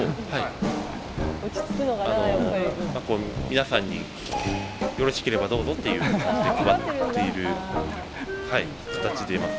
皆さんに「よろしければどうぞ」っていう感じで配っている形でいます。